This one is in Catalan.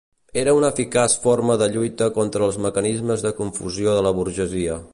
Era una eficaç forma de lluita contra els mecanismes de confusió de la burgesia.